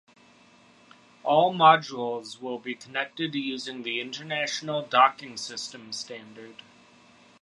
All modules will be connected using the International Docking System Standard.